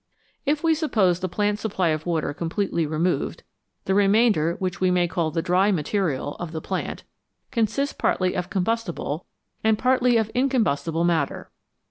If we suppose the plant's supply of water completely removed, the remainder, which we may call the "dry material" of the plant, consists partly of combustible and partly of incom 219 CHEMISTRY AND AGRICULTURE bustible matter.